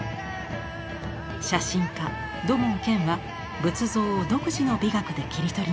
写真家土門拳は仏像を独自の美学で切り取りました。